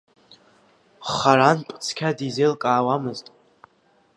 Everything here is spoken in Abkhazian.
Харантә цқьа дизеилкаауамызт.